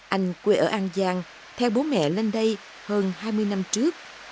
anh quê ở an giang theo bố mẹ lên đây hơn hai mươi năm trước